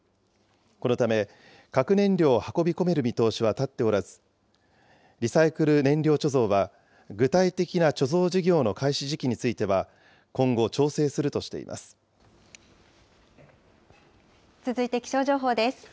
このため、核燃料を運び込める見通しは立っておらず、リサイクル燃料貯蔵は、具体的な貯蔵事業の開始時期については、今後、調整するとしてい続いて気象情報です。